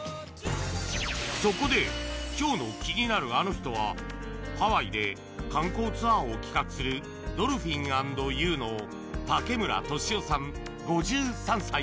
そこで、今日の気になるアノ人はハワイで観光ツアーを企画するドルフィン＆ユーの竹村利生さん、５３歳。